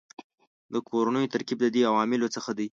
د کورنیو ترکیب د دې عواملو څخه دی